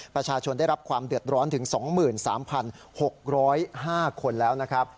ประชาชนได้รับความเดือดร้อนถึง๒๓๖๐๕คนแล้วนะครับ